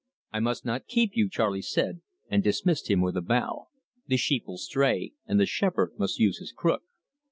"I must not keep you," Charley said, and dismissed him with a bow. "The sheep will stray, and the shepherd must use his crook."